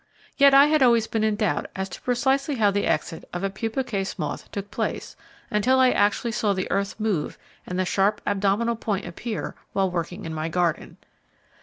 Yet I always had been in doubt as to precisely how the exit of a pupa case moth took place, until I actually saw the earth move and the sharp abdominal point appear while working in my garden.